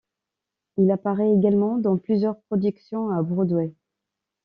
Il apparaît également dans plusieurs productions à Broadway.